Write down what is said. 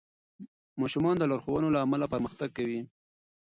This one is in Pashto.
ماشومان د لارښوونو له امله پرمختګ کوي.